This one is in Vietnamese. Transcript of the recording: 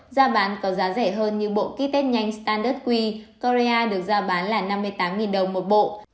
ra bán có giá rẻ hơn như bộ kit test nhanh standard quy korea được ra bán là năm mươi tám đồng một bộ